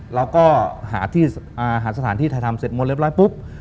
เราก็หาสถานที่ไทยทำเสร็จหมดเรียบร้อยปุ๊บ